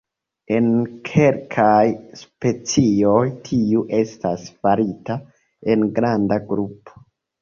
En kelkaj specioj, tiu estas farita en granda grupo.